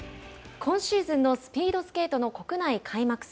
今シーズンのスピードスケートの国内開幕戦。